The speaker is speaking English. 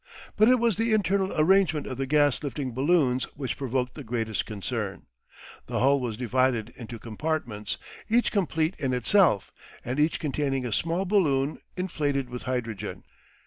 But it was the internal arrangement of the gas lifting balloons which provoked the greatest concern. The hull was divided into compartments, each complete in itself, and each containing a small balloon inflated with hydrogen.